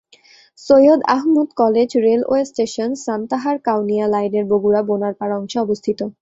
Syed Ahmed college railway station Santahar-Kaunia লাইনের বগুড়া-বোনারপাড়া অংশে অবস্থিত।